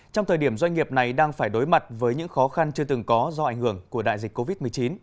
trong thời điểm doanh nghiệp này đang phải đối mặt với những khó khăn chưa từng có do ảnh hưởng của đại dịch covid một mươi chín